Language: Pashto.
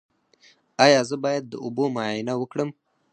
ایا زه باید د اوبو معاینه وکړم؟